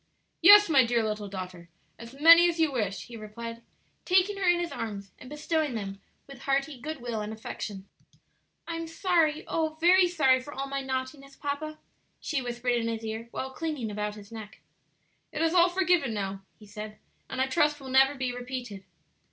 "Yes, my dear little daughter, as many as you wish," he replied, taking her in his arms and bestowing them with hearty good will and affection. "I'm sorry oh, very sorry for all my naughtiness, papa," she whispered in his ear while clinging about his neck. "It is all forgiven now," he said, "and I trust will never be repeated."